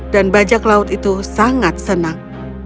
dan bajak laut itu sangat senang